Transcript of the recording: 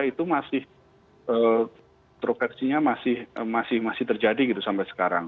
itu masih kontroversinya masih terjadi gitu sampai sekarang